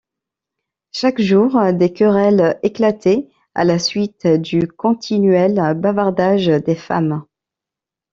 Chaque jour, des querelles éclataient, à la suite du continuel bavardage des femmes.